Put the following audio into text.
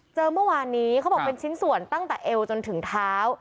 เมื่อวานนี้เขาบอกเป็นชิ้นส่วนตั้งแต่เอวจนถึงเท้า